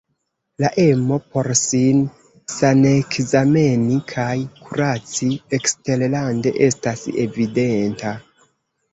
La emo por sin sanekzameni kaj kuraci eksterlande estas evidenta.